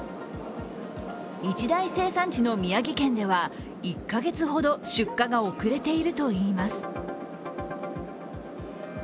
一大生産地の宮城県では、１か月ほど出荷が遅れているといいます。